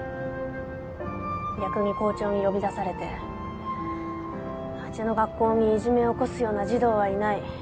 逆に校長に呼び出されて「うちの学校にいじめを起こすような児童はいない」。